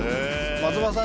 松丸さん